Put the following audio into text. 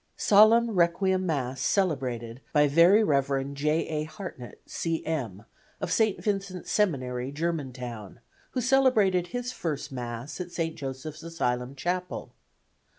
Solemn Requiem Mass celebrated by Very Rev. J. A. Hartnett, C. M., of St. Vincent's Seminary, Germantown, who celebrated his first Mass at St. Joseph's Asylum chapel.